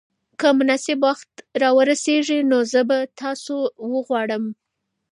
که مناسب وخت را ورسېږي نو زه به تاسو راوغواړم.